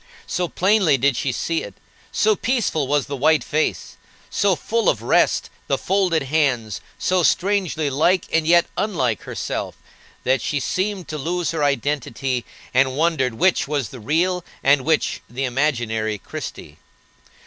So plainly did she see it, so peaceful was the white face, so full of rest the folded hands, so strangely like, and yet unlike, herself, that she seemed to lose her identity, and wondered which was the real and which the imaginary Christie.